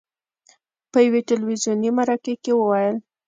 په یوې تلویزوني مرکې کې وویل: